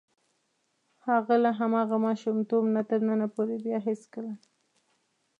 هغه له هماغه ماشومتوب نه تر ننه پورې بیا هېڅکله.